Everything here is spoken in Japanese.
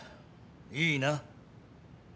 いいな？